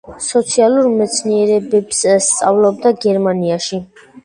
სოციალურ მეცნიერებებს სწავლობდა გერმანიაში.